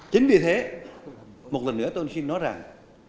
chính vì thế một lần nữa tôi xin nói rằng